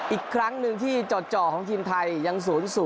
อีกครั้งหนึ่งที่จ่อของทีมไทยยัง๐๐